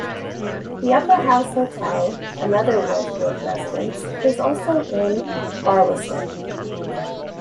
The Upper House Hotel, another Wedgwood residence, is also in Barlaston.